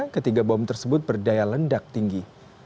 ketiga bom tersebut berdaya lendak tinggi